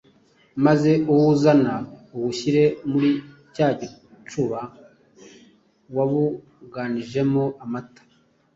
maze uwuzane, uwushyire muri cya gicuba wabuganijemo amata.